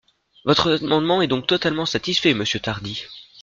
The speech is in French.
Votre amendement est donc totalement satisfait, monsieur Tardy.